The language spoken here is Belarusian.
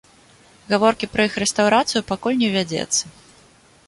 Гаворкі пра іх рэстаўрацыю пакуль не вядзецца.